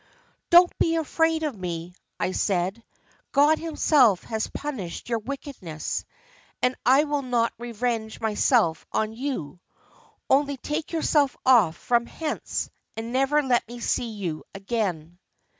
'Don't be afraid of me,' I said, 'God Himself has punished your wickedness, and I will not revenge myself on you. Only take yourself off from hence, and never let me see you again.